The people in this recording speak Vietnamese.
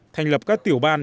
thành lập các tiểu ban